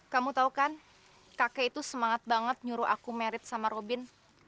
kamu tau kan kakek itu semangat banget nyuruh aku merit sama robin